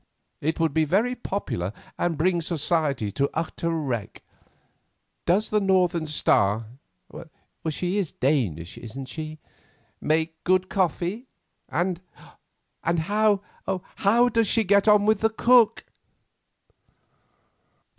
It would be very popular and bring Society to utter wreck. Does the Northern star—she is Danish, isn't she?—make good coffee, and how, oh! how does she get on with the cook?"